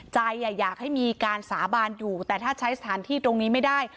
อยากให้มีการสาบานอยู่แต่ถ้าใช้สถานที่ตรงนี้ไม่ได้